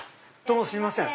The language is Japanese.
どうもすいません。